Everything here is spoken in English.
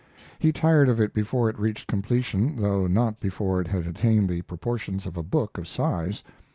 He tired of it before it reached completion, though not before it had attained the proportions of a book of size.